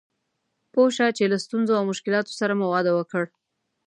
پوه شه چې له ستونزو او مشکلاتو سره مو واده وکړ.